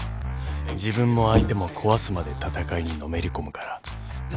［自分も相手も壊すまで戦いにのめり込むから］